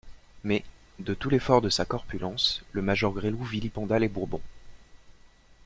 Mais, de tout l'effort de sa corpulence, le major Gresloup vilipenda les Bourbons.